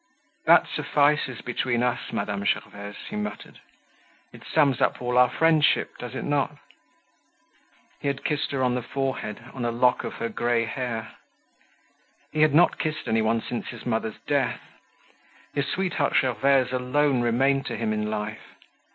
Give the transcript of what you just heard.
"That suffices between us, Madame Gervaise," he muttered. "It sums up all our friendship, does it not?" He had kissed her on the forehead, on a lock of her grey hair. He had not kissed anyone since his mother's death. His sweetheart Gervaise alone remained to him in life.